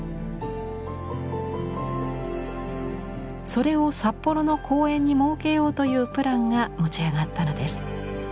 それを札幌の公園に設けようというプランが持ち上がったのです。